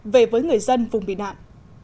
về với người dân vùng bị nạn